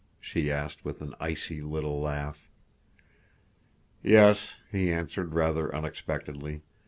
she asked with an icy little laugh. "Yes," he answered rather unexpectedly.